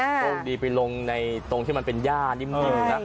โชคดีไปลงในตรงที่มันเป็นย่านิ่มนะ